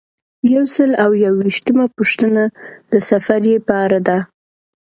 یو سل او یو ویشتمه پوښتنه د سفریې په اړه ده.